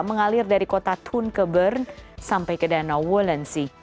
mengalir dari kota thun ke bern sampai ke danau wollency